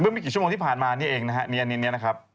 ไม่กี่ชั่วโมงที่ผ่านมานี่เองนะฮะนี่อันนี้นะครับ